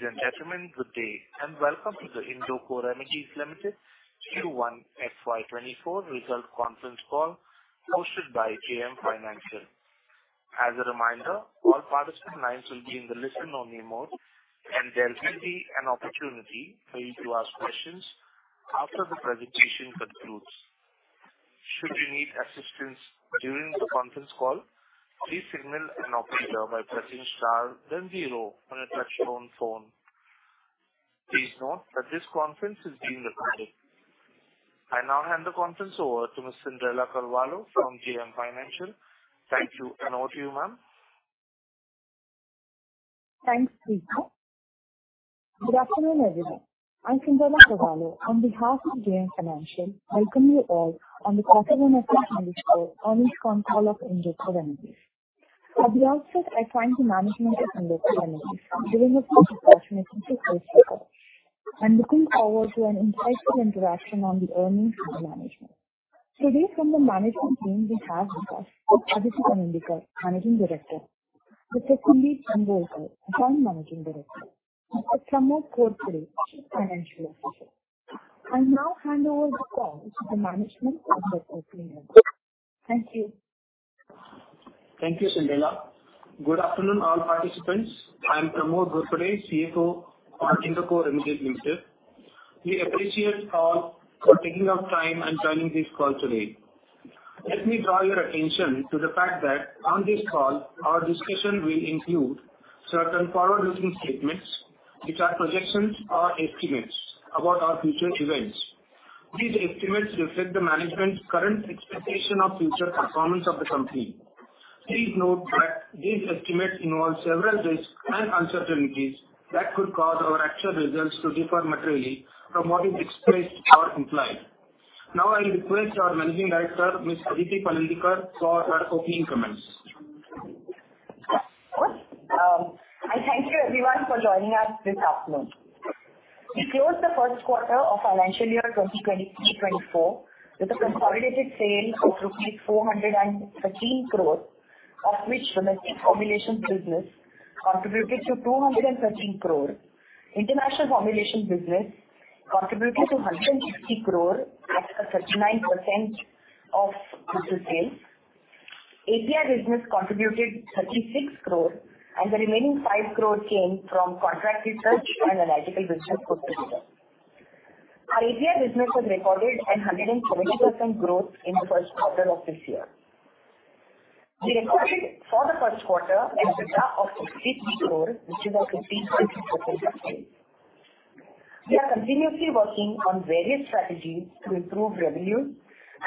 Ladies and gentlemen, good day, welcome to the Indoco Remedies Limited Q1 FY 2024 result conference call hosted by JM Financial. As a reminder, all participant lines will be in the listen-only mode, there will be an opportunity for you to ask questions after the presentation concludes. Should you need assistance during the conference call, please signal an operator by pressing star then zero on a touch-tone phone. Please note that this conference is being recorded. I now hand the conference over to Miss Cyndrella Carvalho from JM Financial. Thank you, over to you, ma'am. Thanks, Vishnu. Good afternoon, everyone. I'm Cyndrella Carvalho. On behalf of JM Financial, I welcome you all on the Q1 of fiscal earnings call of Indoco Remedies. At the outset, I thank the management of Indoco Remedies for giving us this opportunity to host today. I'm looking forward to an insightful interaction on the earnings of the management. Today, from the management team, we have with us Aditi Kare Panandikar, Managing Director; Mr. Sundeep Bambolkar, Joint Managing Director; and Pramod Ghorpade, Chief Financial Officer. I'll now hand over the call to the management for their opening remarks. Thank you. Thank you, Cyndrella. Good afternoon, all participants. I'm Pramod Ghorpade, CFO of Indoco Remedies Limited. We appreciate all for taking off time and joining this call today. Let me draw your attention to the fact that on this call, our discussion will include certain forward-looking statements, which are projections or estimates about our future events. These estimates reflect the management's current expectation of future performance of the company. Please note that these estimates involve several risks and uncertainties that could cause our actual results to differ materially from what is expressed or implied. I request our Managing Director, Miss Aditi Kare Panandikar, for her opening comments. Of course. I thank you everyone for joining us this afternoon. We closed the first quarter of financial year 2023-2024, with a consolidated sale of rupees 413 crores, of which domestic formulations business contributed to 213 crores. International formulation business contributed to 160 crores at the 39% of total sales. API business contributed 36 crores, and the remaining 5 crores came from contract research and analytical business contributors. Our API business has recorded a 120% growth in the first quarter of this year. The acquisition for the first quarter EBITDA of 63 crores, which is a 56% increase. We are continuously working on various strategies to improve revenue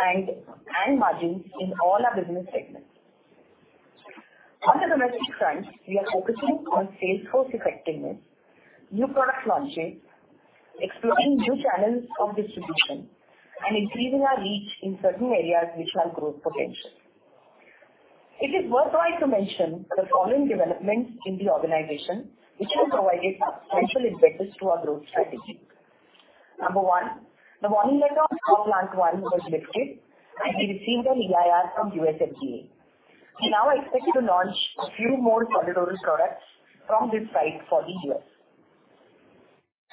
and margins in all our business segments. On the domestic front, we are focusing on sales force effectiveness, new product launches, exploring new channels of distribution, and increasing our reach in certain areas which have growth potential. It is worthwhile to mention the following developments in the organization, which has provided a potential impetus to our growth strategy. Number one, the warning letter on plant one was lifted, and we received an EIR from USFDA. We now expect to launch a few more product oral products from this site for the U.S.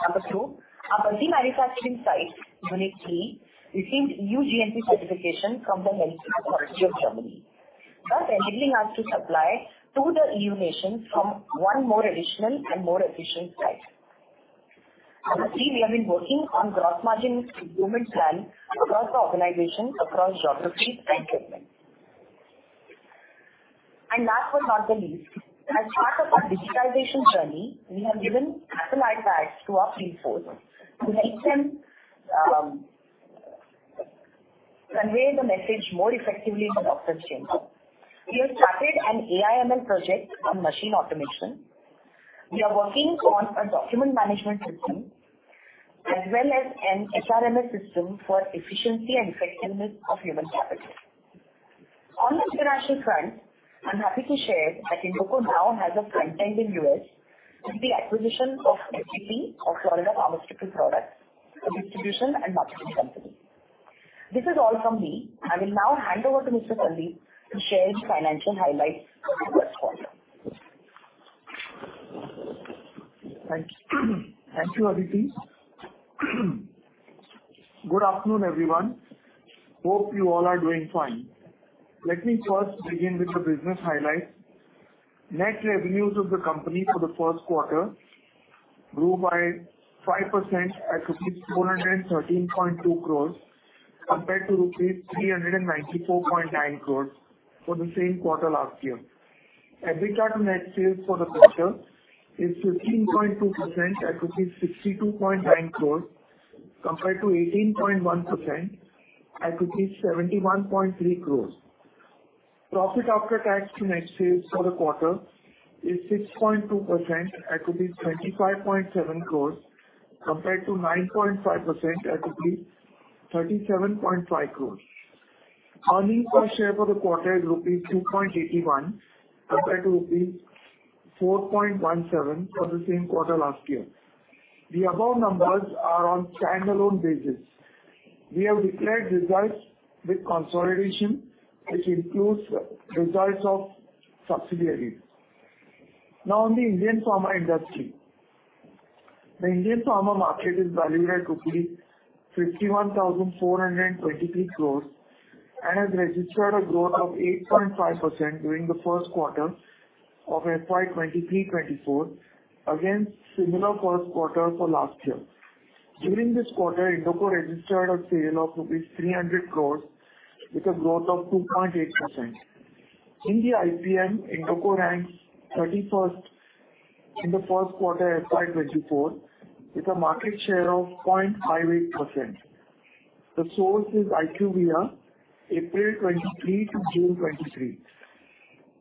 Number two, our multi-manufacturing site, unit three, received new GMP certification from the Healthcare Quality of Germany, thus enabling us to supply to the EU nations from one more additional and more efficient site. Number three, we have been working on gross margin improvement plan across the organization, across geographies and segments. Last but not the least, as part of our digitalization journey, we have given Apple iPads to our field force to help them convey the message more effectively in the doctor's chamber. We have started an AIML project on machine automation. We are working on a document management system as well as an HRMS system for efficiency and effectiveness of human capital. On the international front, I'm happy to share that Indoco now has a front end in U.S. with the acquisition of FPP or Florida Pharmaceutical Products, a distribution and marketing company. This is all from me. I will now hand over to Mr. Sundeep to share his financial highlights for this quarter. Thank you, thank you, Aditi. Good afternoon, everyone. Hope you all are doing fine. Let me first begin with the business highlights. Net revenues of the company for the first quarter grew by 5% at rupees 413.2 crores, compared to rupees 394.9 crores for the same quarter last year. EBITDA net sales for the quarter is 15.2% at rupees 62.9 crores, compared to 18.1% at rupees 71.3 crores. Profit after tax net sales for the quarter is 6.2% at rupees 25.7 crores, compared to 9.5% at rupees 37.5 crores. Earning per share for the quarter is rupees 2.81, compared to rupees 4.17 for the same quarter last year. The above numbers are on standalone basis. We have declared results with consolidation, which includes results of subsidiaries. On the Indian pharma industry. The Indian pharma market is valued at INR 51,423 crores and has registered a growth of 8.5% during the first quarter of FY 2023-2024, against similar first quarter for last year. During this quarter, Indoco registered a sale of rupees 300 crores, with a growth of 2.8%. In the IPM, Indoco ranks 31st in the first quarter of FY 2024, with a market share of 0.58%. The source is IQVIA, April 2023 to June 2023.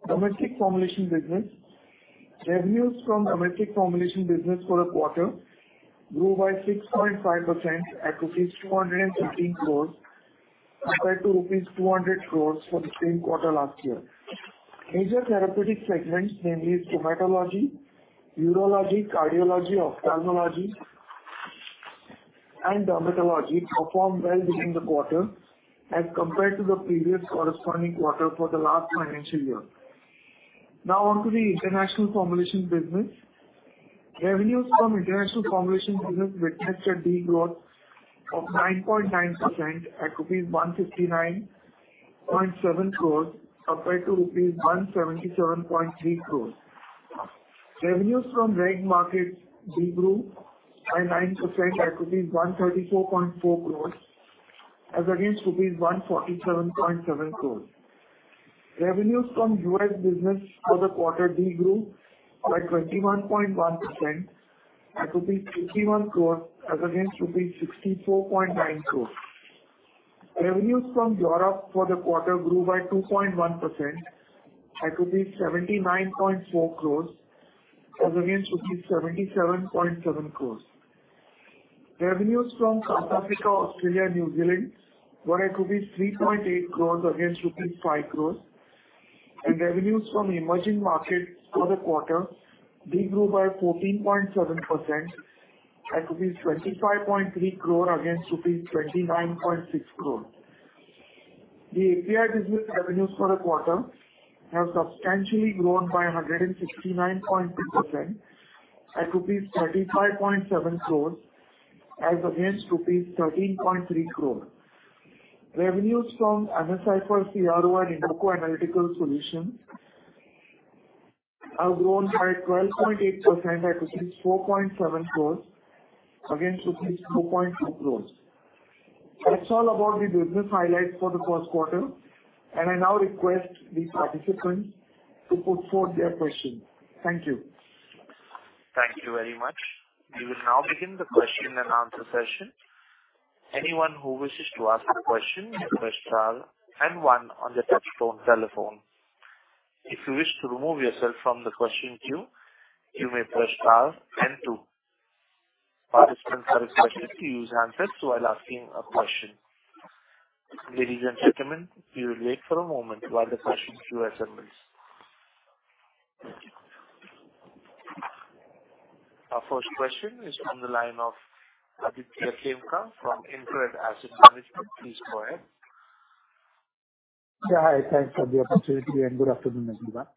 Domestic formulation business. Revenues from domestic formulation business for the quarter grew by 6.5% at rupees 215 crores, compared to rupees 200 crores for the same quarter last year. Major therapeutic segments, namely dermatology, urology, cardiology, ophthalmology, and dermatology, performed well during the quarter as compared to the previous corresponding quarter for the last financial year. On to the international formulation business. Revenues from international formulation business witnessed a big growth of 9.9% at rupees 159.7 crores, compared to rupees 177.3 crores. Revenues from reg markets de-grew by 9% at rupees 134.4 crores, as against rupees 147.7 crores. Revenues from U.S. business for the quarter de-grew by 21.1% at 61 crores, as against rupees 64.9 crores. Revenues from Europe for the quarter grew by 2.1% at 79.4 crores, as against rupees 77.7 crores. Revenues from South Africa, Australia, New Zealand were at rupees 3.8 crores against rupees 5 crores, and revenues from emerging markets for the quarter de-grew by 14.7% at rupees 25.3 crore against rupees 29.6 crore. The API business revenues for the quarter have substantially grown by 169.2% at rupees 35.7 crores, as against rupees 13.3 crore. Revenues from MSI for CRO and Indoco Analytical Solutions have grown by 12.8% at rupees 4.7 crores against rupees 2.2 crores. That's all about the business highlights for the first quarter, and I now request the participants to put forth their questions. Thank you. Thank you very much. We will now begin the question-and-answer session. Anyone who wishes to ask a question, you press star and one on the touchtone telephone. If you wish to remove yourself from the question queue, you may press star and two. Participants are expected to use answers while asking a question. Ladies and gentlemen, we will wait for a moment while the question queue assembles. Our first question is from the line of Aditya Khemka from InCred Asset Management. Please go ahead. Hi. Thanks for the opportunity and good afternoon, everyone.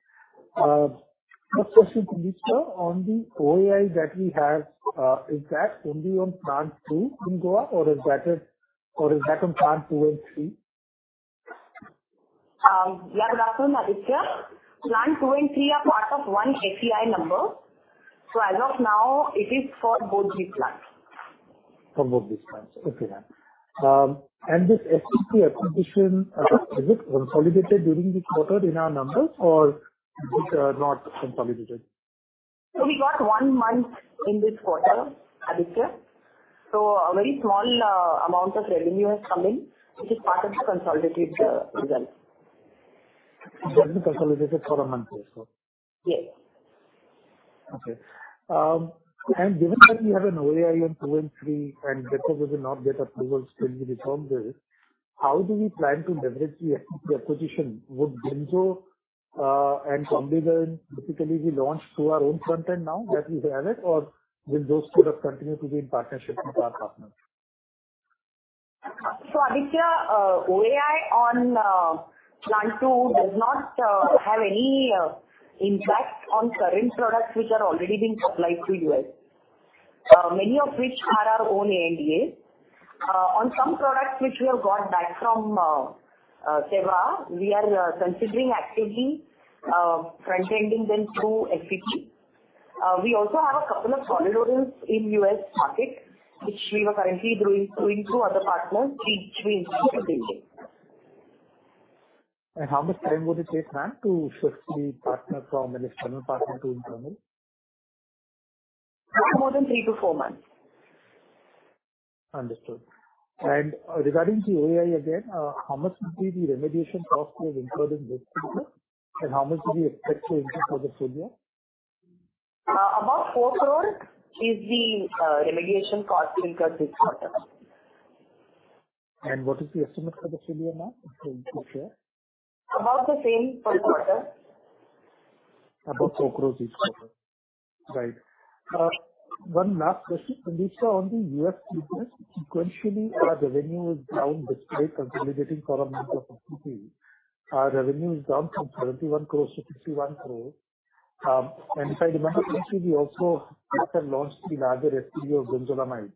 First question, please, sir, on the OAI that we have, is that only on plant two in Goa, or is that on plant two and three? Good afternoon, Aditya. Plant two and three are part of one OAI number, so as of now it is for both the plants. For both these plants. Okay, ma'am. This FPP acquisition, is it consolidated during this quarter in our numbers or is it not consolidated? We got one month in this quarter, Aditya, so a very small amount of revenue has come in, which is part of the consolidated result. It's been consolidated for a month or so? Yes. Okay. Given that we have an OAI on two and three, and because we will not get approval still, we confirmed this, how do we plan to leverage the SPP acquisition? Would Brinzolamide and Combigan basically be launched to our own front end now that we have it, or will those two just continue to be in partnership with our partners? Aditya, OAI on plant two does not have any impact on current products which are already being supplied to U.S., many of which are our own ANDA. On some products which we have got back from Teva, we are considering actively front-ending them through SPP. We also have a couple of solid organs in U.S. market, which we are currently doing through other partners, which we include. How much time would it take, ma'am, to switch the partner from an external partner to internal? Not more than three to four months. Understood. regarding the OAI again, how much would be the remediation cost we have incurred in this quarter, and how much do we expect to incur for the full year? About 4 crore is the remediation cost we incur this quarter. What is the estimate for the full year, ma'am, for this year? About the same for the quarter. About INR 4 crores each quarter. Right. One last question. On the U.S. business, sequentially, our revenue is down despite consolidating for a month of 50. Our revenue is down from 71 crores to 61 crores. If I remember correctly, we also later launched the larger SP of Brinzolamide,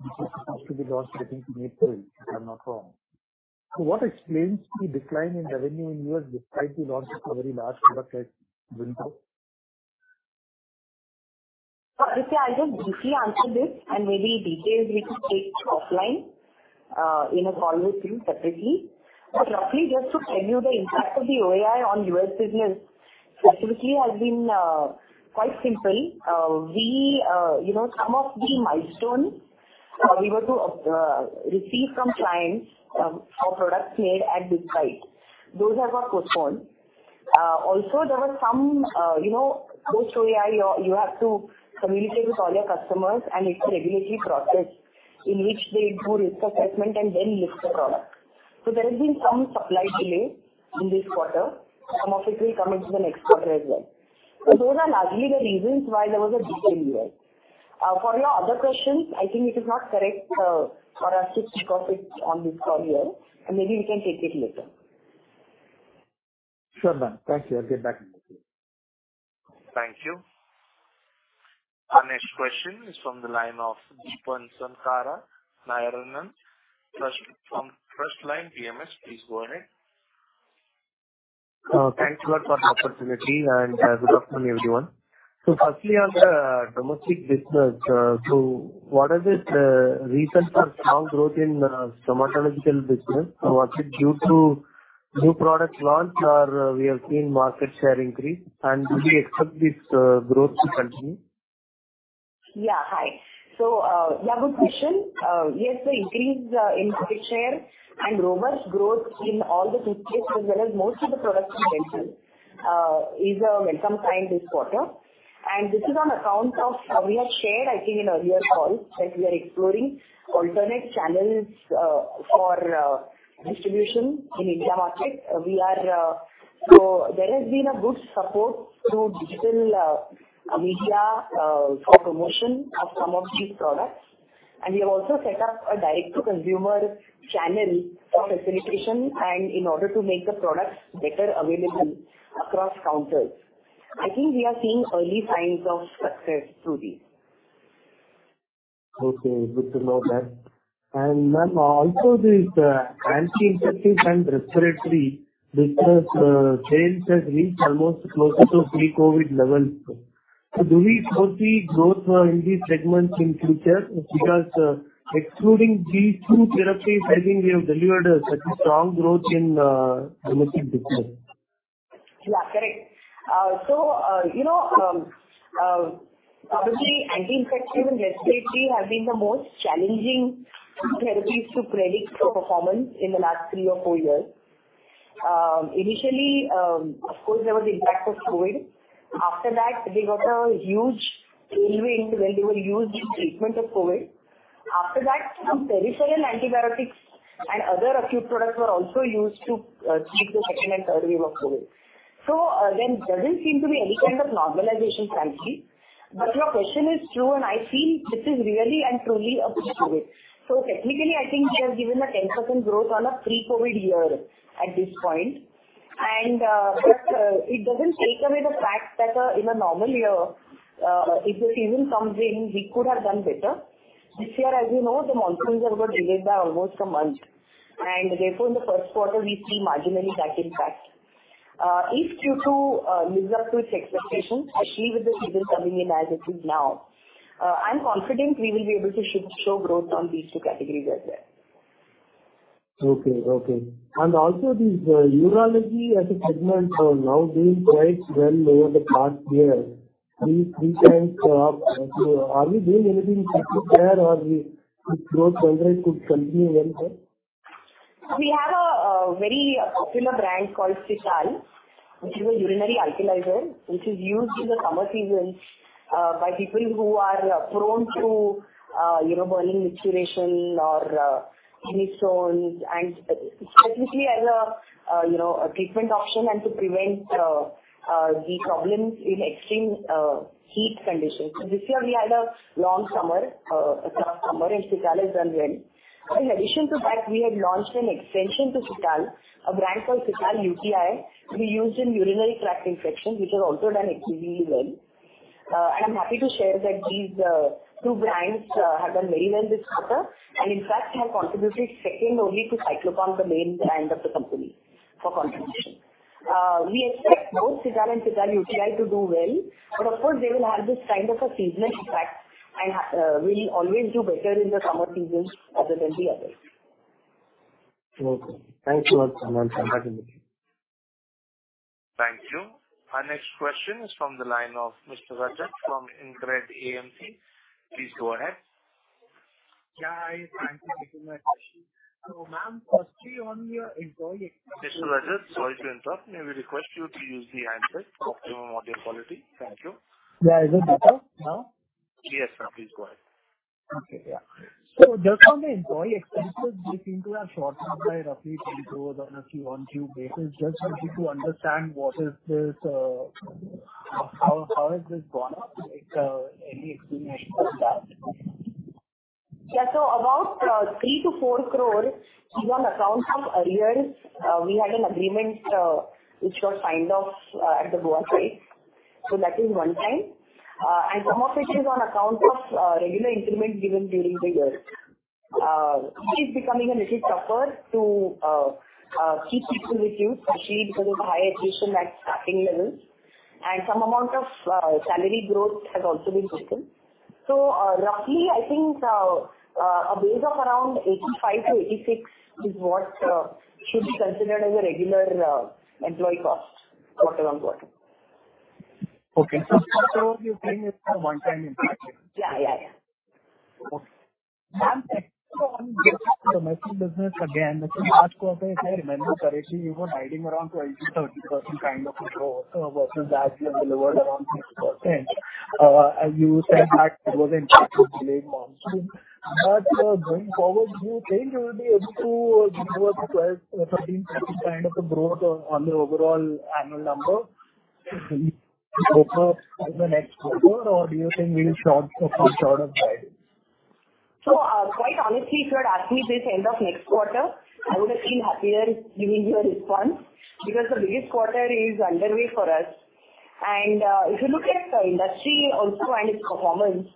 which is supposed to be launched, I think, in April, if I'm not wrong. What explains the decline in revenue in U.S. despite the launch of a very large product like brinzol? I think I just briefly answer this. Maybe details we can take offline in a call with you separately. Roughly, just to tell you the impact of the OAI on U.S. business specifically has been quite simple. We, you know, some of the milestones we were to receive from clients for products made at this site, those have got postponed. Also, there were some, you know, post OAI, you have to communicate with all your customers. It's a regulatory process in which they do risk assessment and then list the product. There has been some supply delay in this quarter. Some of it will come into the next quarter as well. Those are largely the reasons why there was a decline here. For your other questions, I think it is not correct for us to discuss it on this call here. Maybe we can take it later. Sure, ma'am. Thank you. I'll get back to you. Thank you. Our next question is from the line of Deepan Sankara Narayanan, from TrustLine PMS. Please go ahead. Thanks a lot for the opportunity and good afternoon, everyone. Firstly, on the domestic business, what is it, reason for strong growth in dermatological business? Was it due to new product launch, or we have seen market share increase, and do we expect this growth to continue? Hi. Good question. Yes, the increase in market share and robust growth in all the businesses, as well as most of the products in general, is some time this quarter. This is on account of. We have shared, I think, in earlier calls, that we are exploring alternate channels for distribution in India market. There has been a good support through digital media for promotion of some of these products. We have also set up a direct-to-consumer channel for facilitation and in order to make the products better available across counters. I think we are seeing early signs of success through this. Okay, good to know that. Ma'am, also this, anti-infective and respiratory business, sales has reached almost closer to pre-COVID levels. Do we foresee growth in these segments in future? Excluding these two therapies, I think we have delivered a such strong growth in domestic business. Yeah, correct. You know, obviously, anti-infective and respiratory have been the most challenging therapies to predict the performance in the last three or four years. Initially, of course, there was the impact of COVID. After that, there was a huge airway interval they were used in treatment of COVID. After that, some peripheral antibiotics and other acute products were also used to treat the second and third wave of COVID. Doesn't seem to be any kind of normalization, frankly. Your question is true, and I feel this is really and truly a post-COVID. Technically, I think we have given a 10% growth on a pre-COVID year at this point. It doesn't take away the fact that, in a normal year, if the season comes in, we could have done better. This year, as you know, the monsoons have got delayed by almost a month, and therefore, in the first quarter, we see marginally that impact. If due to lesser to its expectations, I feel with the season coming in as it is now, I'm confident we will be able to show growth on these two categories as well. Okay, okay. Also this, urology as a segment are now doing quite well over the past year, 3x. Are we doing anything to prepare or the growth trend could continue well here? We have a very popular brand called Cital, which is a urinary alkalizer, which is used in the summer seasons, by people who are prone to, you know, burning micturition or kidney stones, and technically as a, you know, a treatment option and to prevent the problems in extreme heat conditions. This year we had a long summer, a tough summer, and Cital has done well. In addition to that, we had launched an extension to Cital, a brand called Cital UTI, to be used in urinary tract infections, which has also done exceedingly well. I'm happy to share that these two brands have done very well this quarter, and in fact, have contributed second only to Cyclopam, the main brand of the company, for contribution. We expect both Cital and Cital UTI to do well, but of course, they will have this kind of a seasonal impact and will always do better in the summer seasons rather than the others. Okay. Thank you much, ma'am. Thank you. Our next question is from the line of Mr. Rajat from InCred AMC. Please go ahead. Yeah, hi. Thank you very much. Ma'am, firstly, on your employee-. Mr. Rajat, sorry to interrupt. May we request you to use the handset for optimum audio quality? Thank you. Yeah. Is it better now? Yes, ma'am. Please go ahead. Okay, yeah. Just on the employee expenses, they seem to have shortened up by roughly 20 crores on a quarter-over-quarter basis. Just wanted to understand what is this, how is this gone up? Any explanation for that? Yeah. About, 3 crores-4 crores is on account of arrears. We had an agreement, which got signed off, at the go side. That is one time. Some of it is on account of, regular increment given during the year. It is becoming a little tougher to, keep people with you, especially because of the high attrition at starting levels and some amount of, salary growth has also been given. Roughly, I think, a base of around 85 crores-86 crores is what, should be considered as a regular, employee cost going forward. Okay. INR 4 crores you're saying is a one-time impact? Yeah, yeah. Okay. Ma'am, back to the domestic business again, last quarter, if I remember correctly, you were guiding around 12% to 13% kind of a growth, versus that you have delivered around 6%. As you said, that it was impacted delayed monsoon. Going forward, do you think you will be able to give about 12%, 13% kind of a growth on the overall annual number over the next quarter, or do you think we'll fall short of that? Quite honestly, if you had asked me this end of next quarter, I would have been happier giving you a response, because the biggest quarter is underway for us. If you look at the industry also and its performance,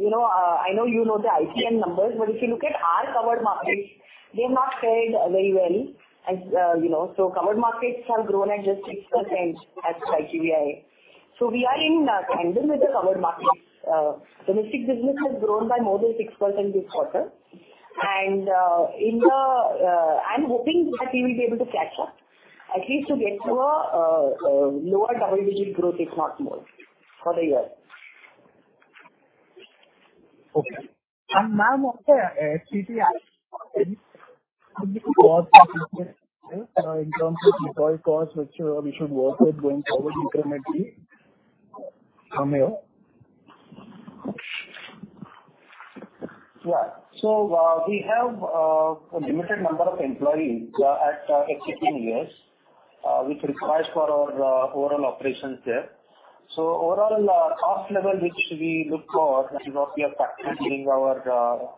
you know, I know you know the ICM numbers, but if you look at our covered markets, they've not fared very well. You know, covered markets have grown at just 6% as ITBI. We are in tandem with the covered markets. Domestic business has grown by more than 6% this quarter. In the, I'm hoping that we will be able to catch up, at least to get to a lower double-digit growth, if not more, for the year. Okay. Ma'am, also HTS, in terms of employee costs, which we should work with going forward incrementally from here? Yeah. We have a limited number of employees at HTS, which requires for our overall operations there. Overall, cost level, which we look for, that is what we are practicing in our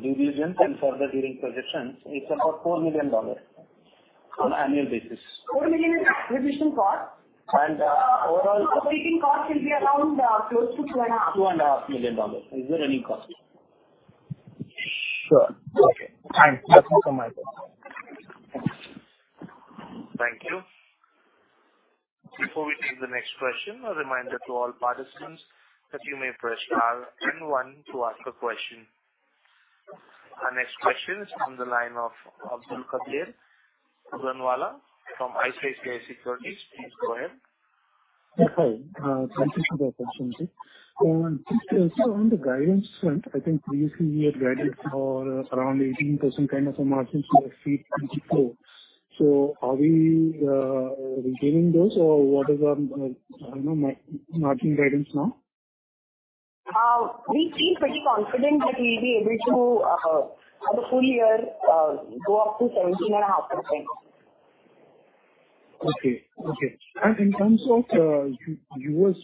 divisions and further during positions, it's about $4 million on annual basis. $4 million is an acquisition cost? overall- Operating cost will be around close to $2.5 million. $2.5 million. Is there any cost? Sure. Okay, thanks. That's it from my side. Thank you. Before we take the next question, a reminder to all participants that you may press star then One to ask a question. Our next question is from the line of Abdulkader Puranwala from ICICI Securities. Please go ahead. Hi. Thank you for the opportunity. On the guidance front, I think previously you had guided for around 18% kind of a margin for the FY 2024. Are we regaining those or what is our, you know, margin guidance now? We feel pretty confident that we'll be able to, for the full year, go up to 17.5%. Okay. Okay. In terms of, U.S.,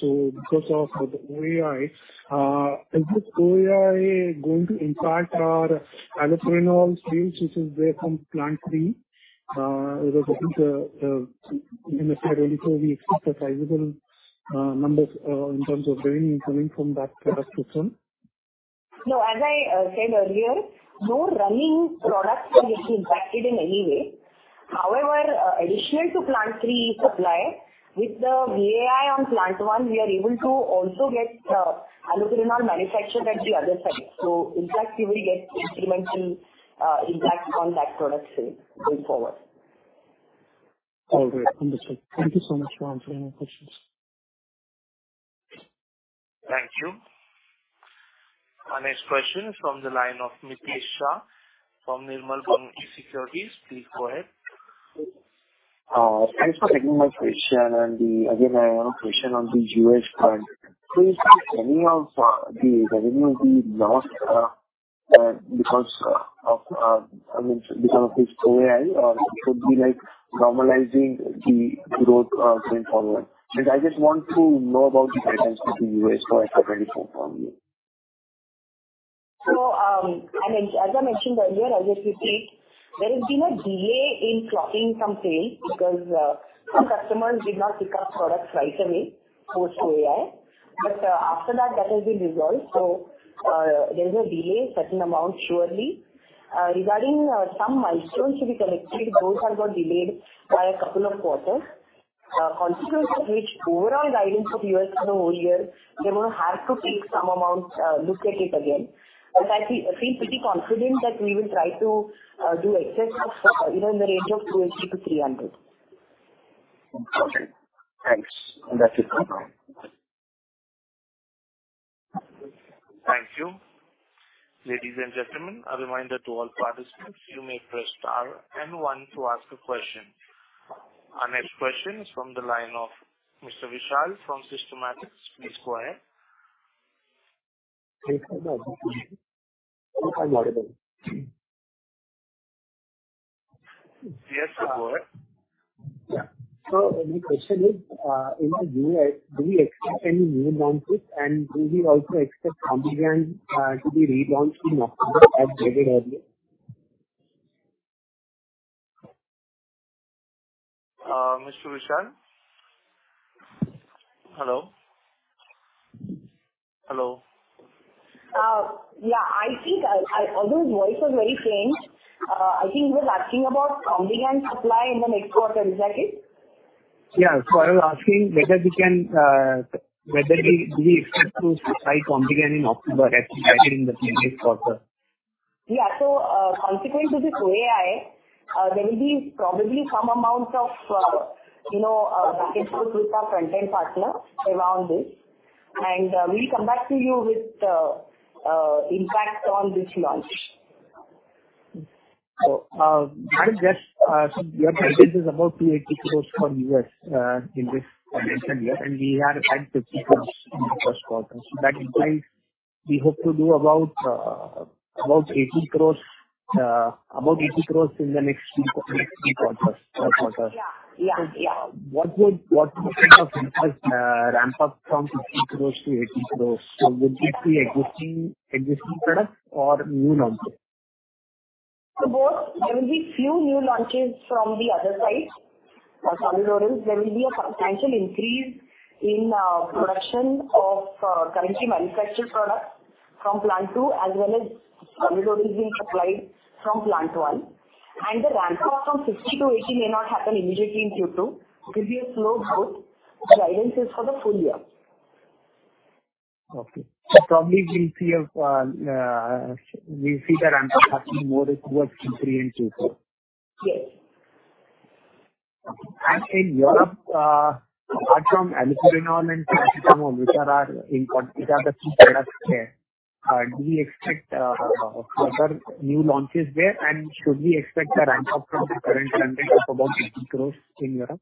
so because of the OAI, is this OAI going to impact our allopurinol sales, which is there from plant three? I think, in the side earlier, we expect a sizable, numbers, in terms of revenue coming from that product system. As I said earlier, no running product will get impacted in any way. Additional to plant three supply, with the OAI on plant one, we are able to also get allopurinol manufactured at the other side. In fact, we will get incremental impact on that product sale going forward. All right. Understood. Thank you so much, ma'am, for answering my questions. Thank you. Our next question is from the line of Mitesh Shah from Nirmal Bang Securities. Please go ahead. Thanks for taking my question. Again, I have a question on the U.S. front. Is any of the revenue we lost, I mean, because of this OAI, should be like normalising the growth going forward? I just want to know about the guidance to the U.S. for FY 2024 from you. As I mentioned earlier, as I said, there has been a delay in plotting some sales because some customers did not pick up products right away, post OAI. After that has been resolved. There is a delay, certain amount, surely. Regarding some milestones to be collected, those have got delayed by a couple of quarters. Consequences which overall guidance of US for the whole year, they're going to have to take some amount, look at it again. I feel pretty confident that we will try to do excess of, you know, in the range of 200-300. Okay. Thanks. That's it. Thank you. Ladies and gentlemen, a reminder to all participants, you may press star and one to ask a question. Our next question is from the line of Mr. Vishal from Systematix. Please go ahead. Yes, go ahead. Yeah. My question is, in the U.S., do we expect any new launches, and do we also expect Combigan to be relaunched in October as stated earlier? Mr. Vishal? Hello. Yeah, his voice was very faint, I think he was asking about Combigan supply in the next quarter. Is that it? Yeah. I was asking whether we can, whether we expect to supply Combigan in October, as stated in the previous quarter. Yeah. Consequent to this AI, there will be probably some amount of, you know, back and forth with our front-end partner around this. We'll come back to you with the impact on this launch. Your guidance is about INR 380 crores for U.S. in this financial year, and we had INR 50 crores in the first quarter. That implies we hope to do about 80 crores, about 80 crores in the next three quarters. Yeah. Yeah. What kind of impact ramp up from 50 crores to 80 crores? Would this be existing products or new launches? Both. There will be few new launches from the other side, for Sunloris. There will be a substantial increase in production of currently manufactured products from plant two, as well as Sunloris is being supplied from plant one. The ramp up from 50 to 80 may not happen immediately in Q2. It will be a slow growth. The guidance is for the full year. Probably we'll see that ramp up happening more towards in Q3 and Q4. Yes. In Europe, apart from allopurinol and paracetamol, which are the key products there, do you expect further new launches there? Should we expect a ramp up from the current spending of about INR 80 crores in Europe?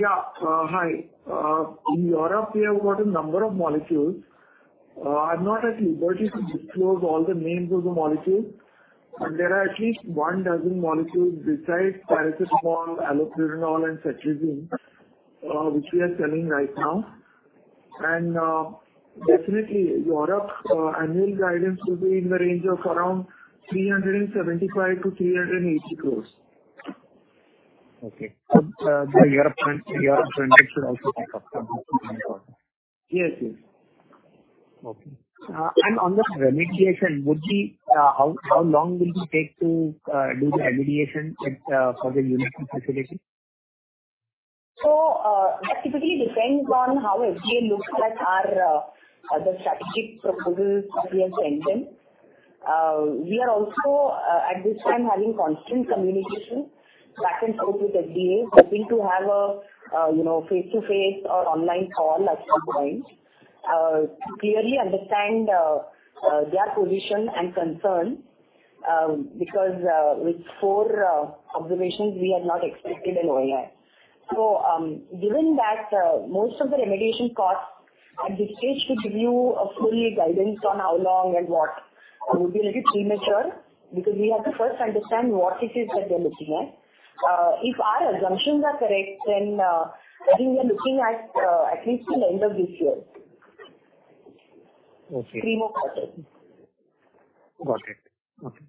Yeah. Hi. In Europe, we have got a number of molecules. I'm not at liberty to disclose all the names of the molecules, but there are at least 1 dozen molecules besides paracetamol, allopurinol, and cetirizine, which we are selling right now. Definitely Europe, annual guidance will be in the range of around 375 crore-380 crore. Okay. The Europe trend should also pick up from this quarter? Yes, yes. Okay. On the remediation, would we, how long will it take to do the remediation at for the unison facility? That typically depends on how FDA looks at our strategic proposals that we have sent them. We are also at this time, having constant communication back and forth with FDA, hoping to have a, you know, face-to-face or online call at some point, to clearly understand their position and concern, because with 4 observations, we had not expected an OAI. Given that most of the remediation costs at this stage, to give you a full guidance on how long and what, would be little premature, because we have to first understand what it is that they're looking at. If our assumptions are correct, I think we are looking at at least till end of this year. Okay. Three more quarters. Got it. Okay.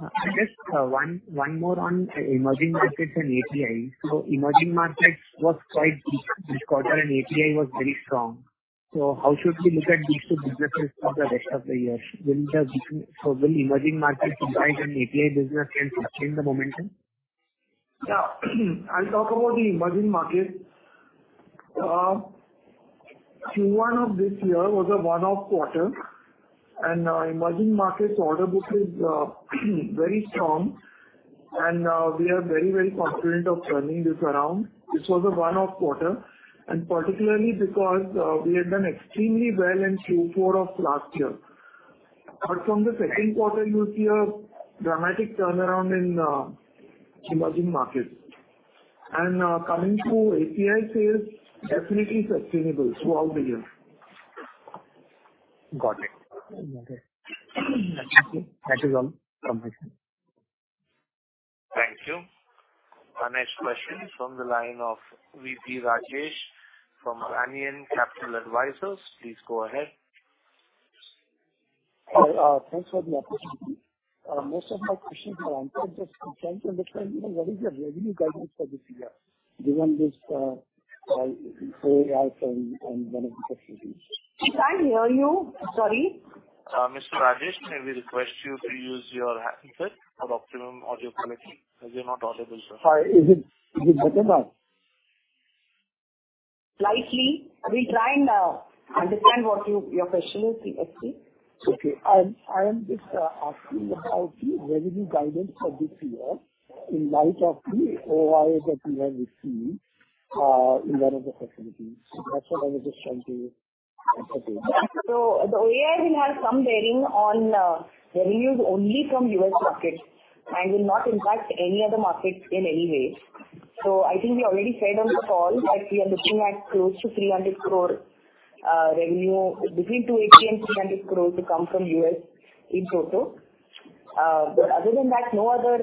I guess one more on emerging markets and API. Emerging markets was quite this quarter, and API was very strong. How should we look at these two businesses for the rest of the year? Will emerging markets drive an API business and sustain the momentum? Yeah. I'll talk about the emerging markets. Q1 of this year was a one-off quarter, emerging markets order book is very strong. We are very, very confident of turning this around. This was a one-off quarter, particularly because we had done extremely well in Q4 of last year. From the second quarter, you'll see a dramatic turnaround in emerging markets. Coming to API sales, definitely sustainable throughout the year. Got it. Okay. Thank you. That is all from my side. Thank you. Our next question is from the line of VP Rajesh from Banyan Capital Advisors. Please go ahead. Hi, thanks for the opportunity. Most of my questions were answered, just to try and understand, what is your revenue guidance for this year, given this, OAI and one of the facilities? Can't hear you? Sorry. Mr. Rajesh, may we request you to use your headset for optimum audio quality, as you're not audible, sir. Sorry, is it better now? Slightly. We'll try and understand what your question is. Yes, please. Okay. I am just asking about the revenue guidance for this year. in light of the OAI that we have received in one of the facilities. That's what I was just trying to interpret. The OAI will have some bearing on the revenues only from U.S. markets and will not impact any other market in any way. I think we already said on the call that we are looking at close to 300 crore revenue between 280 crore and 300 crore to come from U.S. in total. Other than that, no other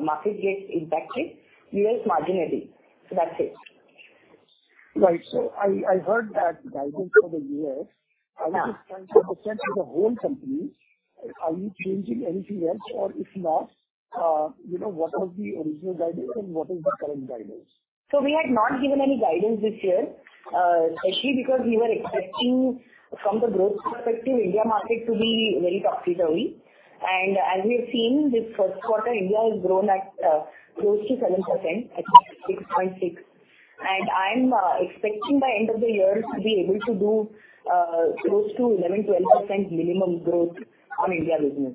market gets impacted, U.S. marginally. That's it. Right. I heard that guidance for the year. Yeah. I was just trying to understand for the whole company, are you changing anything else, or if not, you know, what was the original guidance and what is the current guidance? We had not given any guidance this year, especially because we were expecting from the growth perspective, India market to be very profitable. As we have seen this first quarter, India has grown at close to 7%, I think 6.6%. I'm expecting by end of the year to be able to do close to 11%-12% minimum growth on India business.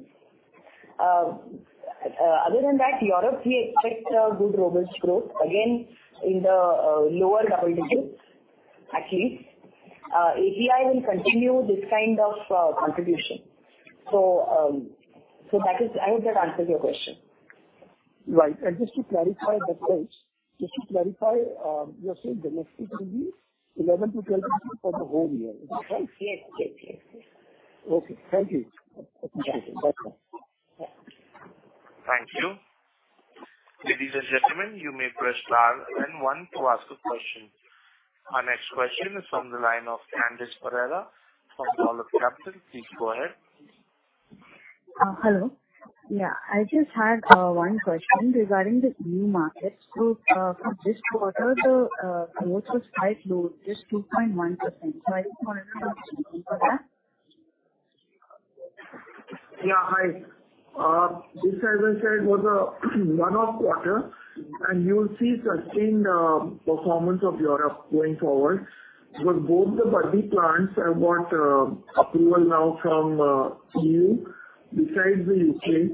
Other than that, Europe, we expect a good robust growth, again, in the lower double digits, at least. API will continue this kind of contribution. That is. I hope that answers your question. Right. Just to clarify the point, you're saying the next will be 11% to 12% for the whole year. Is that right? Yes. Yes, yes. Okay. Thank you. Appreciate it. Bye-bye. Thank you. Ladies and gentlemen, you may press star and one to ask a question. Our next question is from the line of Candice Pereira from Dolat Capital. Please go ahead. Hello. I just had one question regarding the new markets. For this quarter, the growth was quite low, just 2.1%. I just wanted to understand for that. Yeah, hi. This, as I said, was a one-off quarter, and you will see sustained performance of Europe going forward. Because both the Baddi plants have got approval now from EU, besides the U.K.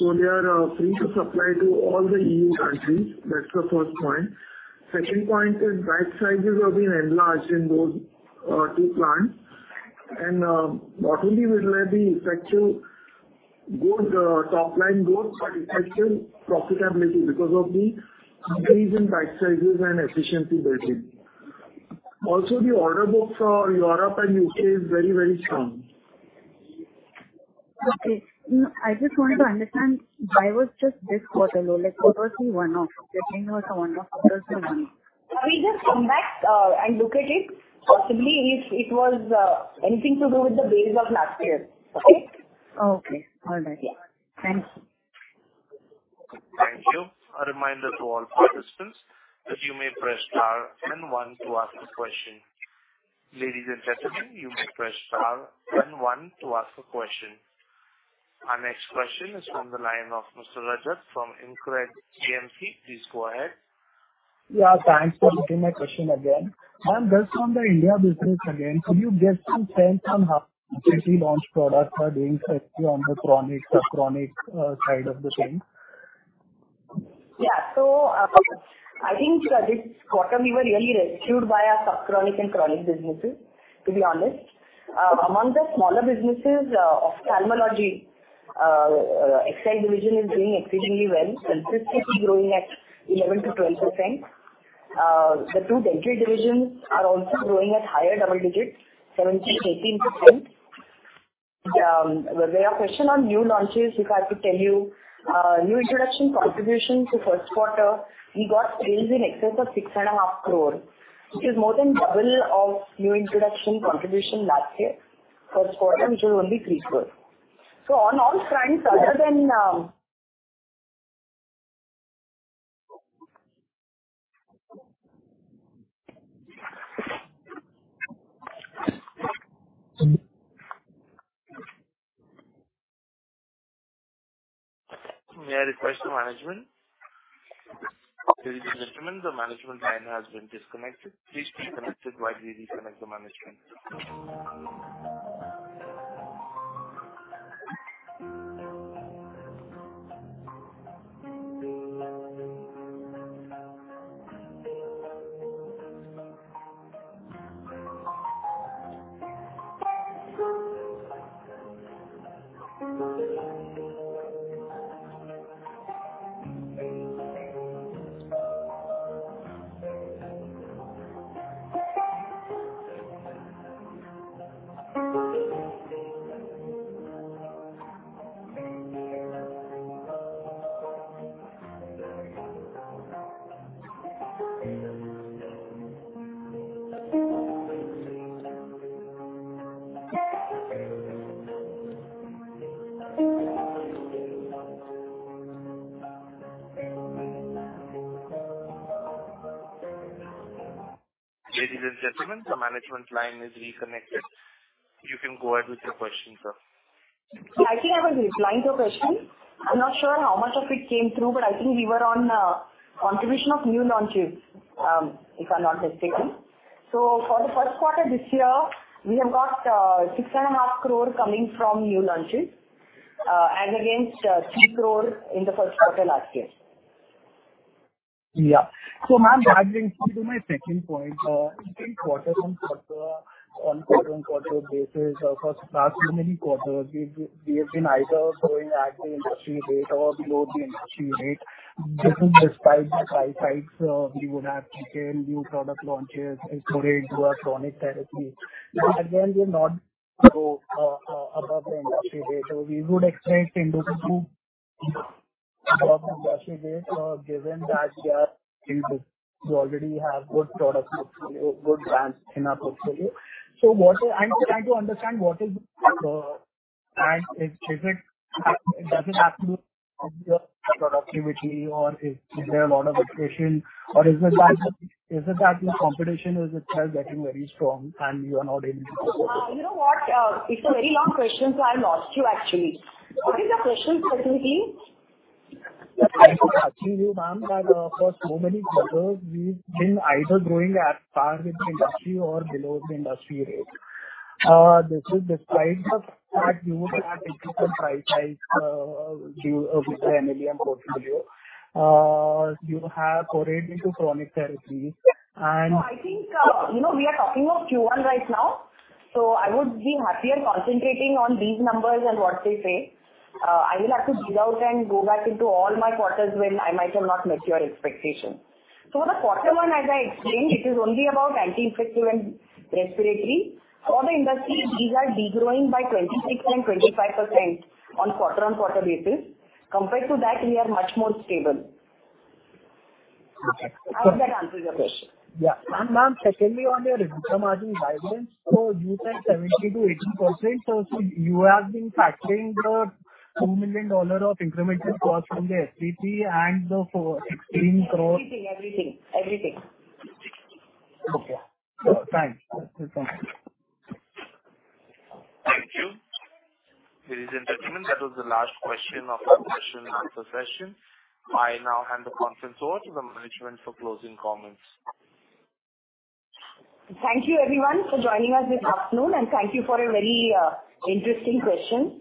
They are free to supply to all the EU countries. That's the first point. Second point is, bite sizes have been enlarged in those two plants. Not only will there be effective good top line growth, but effective profitability because of the increase in bite sizes and efficiency building. Also, the order book for Europe and U.K. is very, very strong. Okay. I just wanted to understand why was just this quarter low? Like, what was the one-off? You're telling me it was a one-off, but what was the one-off? Can we just come back, and look at it? Possibly it was, anything to do with the base of last year. Okay? Okay. All right. Yeah. Thanks. Thank you. A reminder to all participants that you may press star and one to ask a question. Ladies and gentlemen, you may press star and one to ask a question. Our next question is from the line of Mr. Rajat from InCred AMC. Please go ahead. Yeah, thanks for taking my question again. Ma'am, just on the India business again, could you get some sense on how recently launched products are doing especially on the chronic, subchronic, side of the thing? Yeah. I think, Rajat, quarter, we were really rescued by our subchronic and chronic businesses, to be honest. Among the smaller businesses, Ophthalmology, XI division is doing exceedingly well, consistently growing at 11%-12%. The two dental divisions are also growing at higher double digits, 17%, 18%. With your question on new launches, if I could tell you, new introduction contribution to first quarter, we got sales in excess of six and a half crore, which is more than double of new introduction contribution last year, first quarter, which was only 3 crore. On all fronts, other than. May I request the management? Ladies and gentlemen, the management line has been disconnected. Please be connected while we reconnect the management. Ladies and gentlemen, the management line is reconnected. You can go ahead with your question, sir. I think I was replying to your question. I'm not sure how much of it came through, but I think we were on, contribution of new launches, if I'm not mistaken. For the first quarter this year, we have got 6.5 crore coming from new launches, as against 3 crore in the first quarter last year. Yeah. ma'am, that brings me to my second point. in quarter-on-quarter basis or for last many quarters, we have been either growing at the industry rate or below the industry rate. This is despite the price hikes. we would have retail, new product launches into a chronic therapy. again, we are not above the industry rate, so we would expect Indoco to above the industry rate, given that we already have good product portfolio, good brands in our portfolio. what I'm trying to understand and does it have to do with your productivity or is there a lot of attrition? Or is it that the competition is itself getting very strong and you are not able to. You know what? It's a very long question, so I lost you, actually. What is the question specifically? Thank you for asking you, ma'am, that, for so many quarters, we've been either growing at par with the industry or below the industry rate. This is despite the fact you would have difficult price hikes, with the NLM portfolio. You have forayed into chronic therapies and- No, I think, you know, we are talking of Q1 right now, so I would be happier concentrating on these numbers and what they say. I will have to dig out and go back into all my quarters when I might have not met your expectations. For the quarter one, as I explained, it is only about anti-infective and respiratory. For the industry, these are degrowing by 26 and 25% on quarter-on-quarter basis. Compared to that, we are much more stable. Okay. I hope that answers your question. Yeah. Ma'am, secondly, on your EBITDA margin guidance, you said 70%-80%. You have been factoring the $2 million of incremental cost from the FPP and the 16 crore- Everything, everything. Okay. Thanks. That's it. Thank you. Ladies and gentlemen, that was the last question of our question and answer session. I now hand the conference over to the management for closing comments. Thank you, everyone, for joining us this afternoon, and thank you for a very interesting question.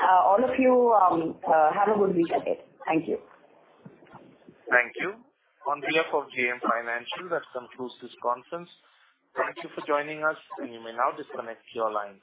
All of you have a good weekend ahead. Thank you. Thank you. On behalf of JM Financial, that concludes this conference. Thank you for joining us, and you may now disconnect your lines.